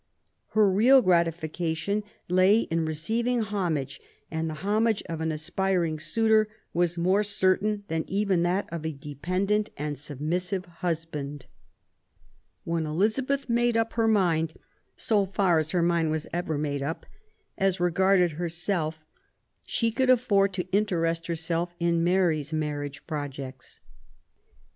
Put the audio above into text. Her real grati fication lay in receiving homage ; and the homage of an aspiring suitor was more certain than even that of a dependent and submissive husband. When Elizabeth had made up her mind, so far as her mind was ever made up, as regards herself, she could afford to interest herself in Mary's marriage projects.